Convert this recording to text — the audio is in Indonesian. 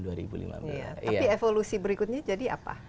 tapi evolusi berikutnya jadi apa